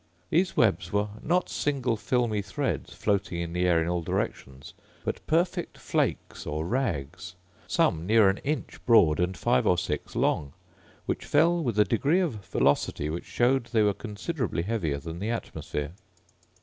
These webs were not single filmy threads, floating in the air in all directions, but perfect flakes or rags; some near an inch broad, and five or six long, which fell with a degree of velocity which showed they were considerably heavier than the atmosphere.